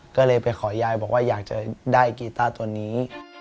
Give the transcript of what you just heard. ก็เลยไปขอยายบอกว่าอยากจะได้กีต้าตัวนี้